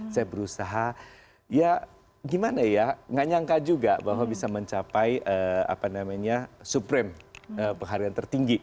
saya berusaha ya gimana ya nggak nyangka juga bahwa bisa mencapai supreme penghargaan tertinggi